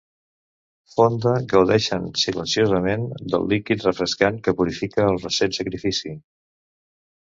Fonda gaudeixen silenciosament del líquid refrescant que purifica el recent sacrifici.